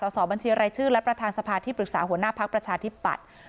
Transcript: สอบบัญชีรายชื่อและประธานสภาที่ปรึกษาหัวหน้าภักดิ์ประชาธิปัตย์